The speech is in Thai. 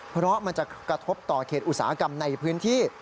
เพราะมันจะกระทบต่อเขตอุตสาหกรรมในพื้นที่